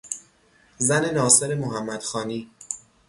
زن ناصر محمدخانی